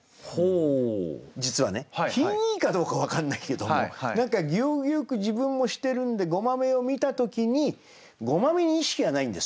品いいかどうか分かんないけども何か行儀良く自分もしてるんでごまめを見た時にごまめに意識はないんですよ。